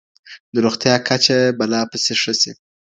د روغتيا کچه به لا پسې ښه سي.